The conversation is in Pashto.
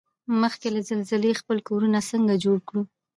مخکې له زلزلې خپل کورنه څنګه جوړ کوړو؟